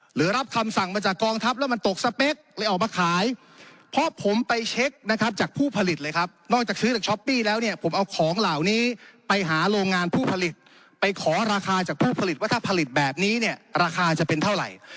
หรือรับคำสั่งมาจากกองทัพแล้วมันตกสเปคเลยออกมาขายเพราะผมไปเช็คนะครับจากผู้ผลิตเลยครับนอกจากซื้อจากช้อปปี้แล้วเนี่ยผมเอาของเหล่านี้ไปหาโรงงานผู้ผลิตไปขอราคาจากผู้ผลิตว่าถ้าผลิตแบบนี้เนี่ยราคาจะเป็นเท่าไหร่